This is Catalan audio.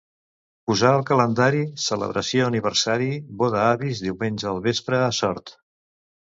Posar al calendari celebració aniversari boda avis diumenge al vespre a Sort.